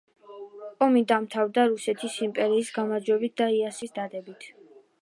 ომი დამთავრდა რუსეთის იმპერიის გამარჯვებით და იასის საზავო ხელშეკრულების დადებით.